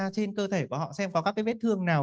trên cơ thể của họ xem có các vết thương nào